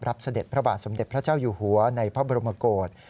เสด็จพระบาทสมเด็จพระเจ้าอยู่หัวในพระบรมกฏ